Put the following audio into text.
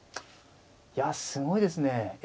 いやすごいですね。